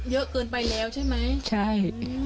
เยอะเกินไปแล้วใช่ไหมใช่